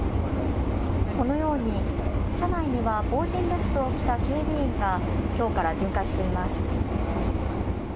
このように車内には防刃ベストを着た警備員がきょうから巡回しています。